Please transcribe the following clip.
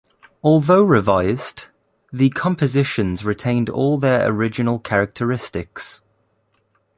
Although revised, the compositions retained all their original characteristics.